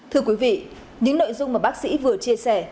thưa quý vị những nội dung mà bác sĩ vừa chia sẻ